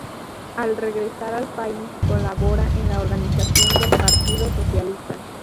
Al regresar al país, colabora en la organización del Partido Socialista.